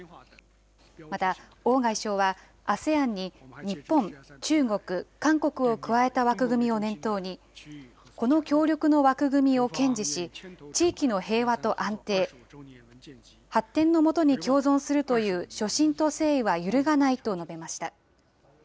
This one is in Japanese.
また、王外相はＡＳＥＡＮに日本、中国、韓国を加えた枠組みを念頭に、この協力の枠組みを堅持し、地域の平和と安定、発展の下に共存するという初心と誠意は揺るがないと述べました。